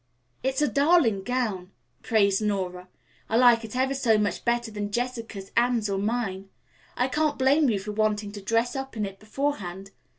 "It's a darling gown," praised Nora. "I like it ever so much better than Jessica's, Anne's or mine. I can't blame you for wanting to dress up in it beforehand.